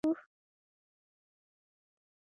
مسوول وبولو.